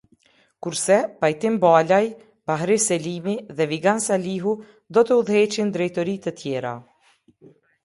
Kurse, Pajtim Balaj, Bahri Selimi dhe Vigan Salihu do të udhëheqin drejtori të tjera.